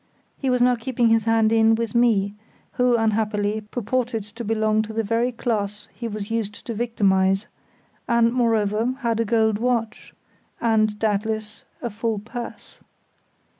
He was now keeping his hand in with me, who, unhappily, purported to belong to the very class he was used to victimise, and, moreover, had a gold watch, and, doubtless, a full purse.